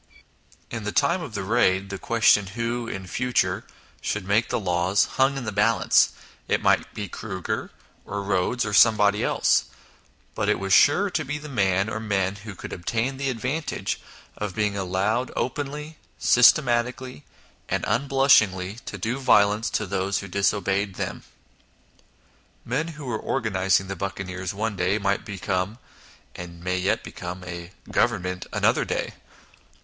In the time of the Raid the question who, in future, should make the laws, hung in the balance it might be Kruger, or Rhodes, or somebody else ; but it was sure to be the man, or men, who could obtain the advantage of being allowed openly, systematically, and unblushingly, to do violence to those who disobeyed them. Men who were organising the buccaneers one day, might become (and may yet become) a " Govern ment " another day.